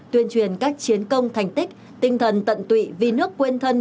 tuyên truyền các chiến công thành tích tinh thần tận tụy vì nước quên thân